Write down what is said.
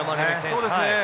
そうですね。